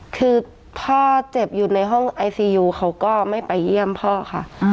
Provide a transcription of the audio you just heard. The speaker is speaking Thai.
คือพ่อเจ็บอยู่ในห้องไอซียูเขาก็ไม่ไปเยี่ยมพ่อค่ะ